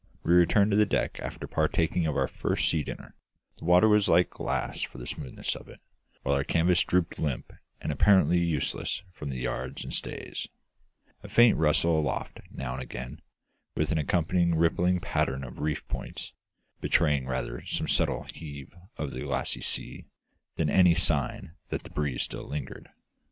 we returned to the deck after partaking of our first sea dinner, the water was like glass for the smoothness of it, while our canvas drooped limp and apparently useless from the yards and stays; a faint rustle aloft now and again, with an accompanying rippling patter of reef points, betraying rather some subtle heave of the glassy sea than any sign that the breeze still lingered.